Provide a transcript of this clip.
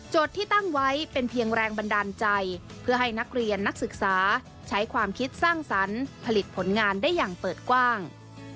ที่ตั้งไว้เป็นเพียงแรงบันดาลใจเพื่อให้นักเรียนนักศึกษาใช้ความคิดสร้างสรรค์ผลิตผลงานได้อย่างเปิดกว้าง